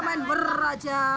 main ber aja